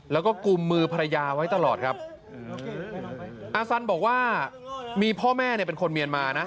แล้วก็กุมมือภรรยาไว้ตลอดครับอาสันบอกว่ามีพ่อแม่เนี่ยเป็นคนเมียนมานะ